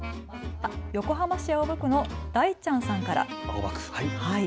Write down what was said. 横浜市青葉区のだいちゃんさんから。